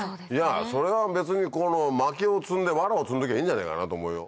それは別に薪を積んで藁を積んどきゃいいんじゃないかなと思うよ。